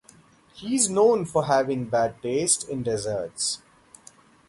He is known for having bad taste in desserts.